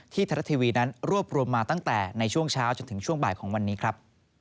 ไทยรัฐทีวีนั้นรวบรวมมาตั้งแต่ในช่วงเช้าจนถึงช่วงบ่ายของวันนี้ครับ